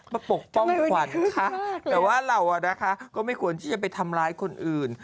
ปกป้องขวัญค่ะแต่ว่าเราก็ไม่ควรที่จะไปทำร้ายคนอื่น